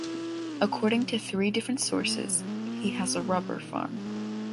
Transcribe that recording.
According to three different sources, he has a rubber farm.